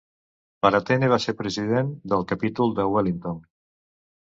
Paratene va ser president del capítol de Wellington.